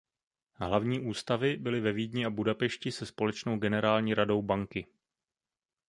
Hlavní ústavy byly ve Vídni a Budapešti se společnou generální radou banky.